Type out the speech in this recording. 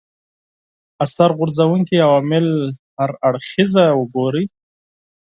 اثر غورځونکي عوامل هر اړخیزه وګوري